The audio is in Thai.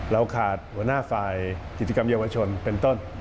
เราขาดหัวหน้าฝ่ายกิจกรรมเยาวชนเป็นต้น